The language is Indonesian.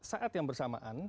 pada saat yang bersamaan